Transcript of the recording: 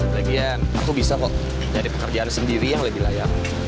lagian aku bisa kok nyari pekerjaan sendiri yang lebih layak